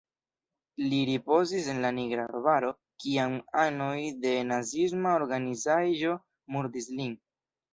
Li ripozis en la Nigra Arbaro, kiam anoj de naciisma organizaĵo murdis lin.